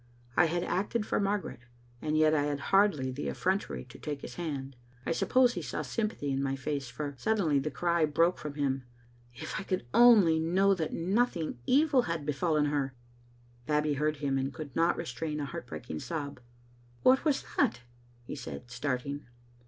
I had acted for Margaret, and yet I had hardly the effrontery to take his hand. I suppose he saw sympathy in my face, for suddenly the cry broke from him —" If I could only know that nothing evil had befallen her!" Babbie heard him and could not restrain a heart breaking sob. " What was that?" he said, starting.